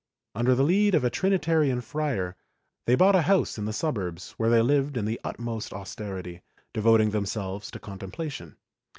Under the lead of a Trinitarian friar, they bought a house in the suburbs, where they lived in the utmost austerity, devoting themselves to contemplation.